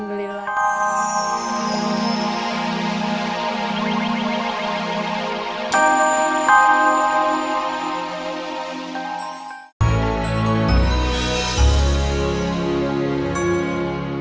dalam waktu dekat bisa pulang